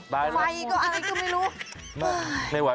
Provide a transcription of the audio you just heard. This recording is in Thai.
ไฟก็อะไรก็ไม่รู้